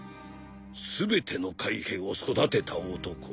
全ての海兵を育てた男。